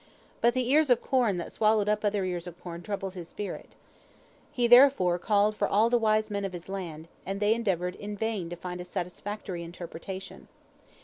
But the ears of corn that swallowed up other ears of corn troubled his spirit. He therefore called for all the wise men of his land, and they endeavored in vain to find a satisfactory interpretation.